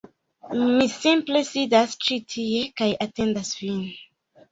Mi simple sidas ĉi tie kaj atendas vin